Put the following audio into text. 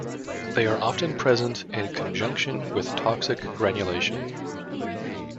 They are often present in conjunction with toxic granulation.